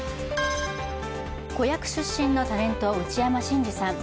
子役出身のタレント、内山信二さん